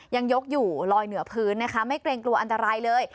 ยังยกอยู่ลอยเหนือพื้นนะคะไม่เกรงกลัวอันตรายเลย